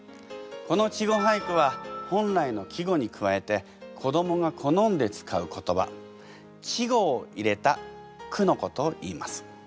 この稚語俳句は本来の季語に加えて子どもが好んで使う言葉稚語を入れた句のことをいいます。